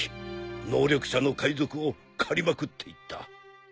能力者の海賊を狩りまくっていった。